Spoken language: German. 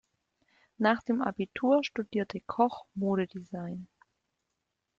Nach dem Abitur studierte Koch Modedesign.